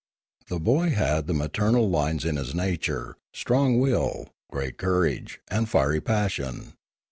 The boy had the maternal lines in his nature, strong will, great courage, and fiery passion.